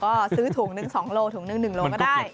ก็ซื้อถุงนึง๒โลกรัมถุงนึง๑โลกรัมก็ได้